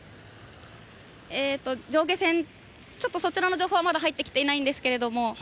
上下線、ちょっとそちらの情報はまだ入ってきていないんですけれども。